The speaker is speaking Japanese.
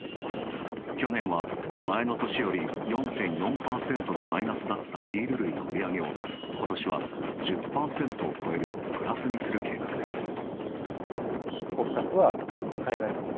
去年は前の年より４．４％のマイナスだったビール類の売り上げを、ことしは１０％を超えるプラスにする計画です。